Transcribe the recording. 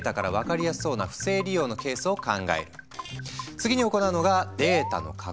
次に行うのがデータの加工。